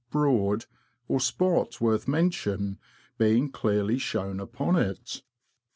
Broad, or spot worth mention, being clearly shown upon it.